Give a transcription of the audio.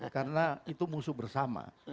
karena itu musuh bersama